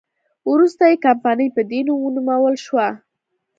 وروسته یې کمپنۍ په دې نوم ونومول شوه.